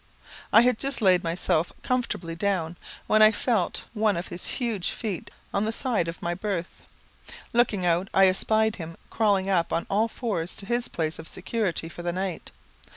I had just laid myself comfortably down, when I felt one of his huge feet on the side of my berth. Looking out, I espied him crawling up on all fours to his place of security for the night.